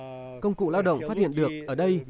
các công cụ lao động phát hiện được ở đây